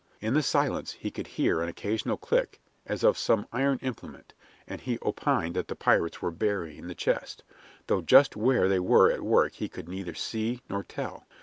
In the silence he could hear an occasional click as of some iron implement, and he opined that the pirates were burying the chest, though just where they were at work he could neither see nor tell.